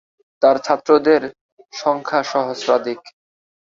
তার ছাত্রদের সংখ্যা সহস্রাধিক।